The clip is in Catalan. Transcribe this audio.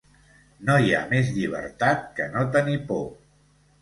No hi ha més llibertat que no tenir por.